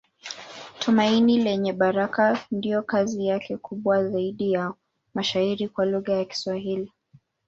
Tumaini Lenye Baraka ndiyo kazi yake kubwa zaidi ya mashairi kwa lugha ya Kiswahili.